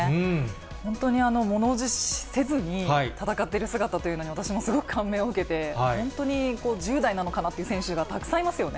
本当にものおじせずに、戦ってる姿というのに、私もすごく感銘を受けて、本当に１０代なのかなという選手がたくさんいますよね。